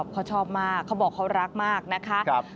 เขาชอบมากเขาบอกเขารักมากนะคะ